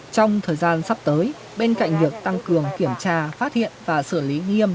trong thời gian sắp tới bên cạnh việc tăng cường kiểm tra phát hiện và xử lý nghiêm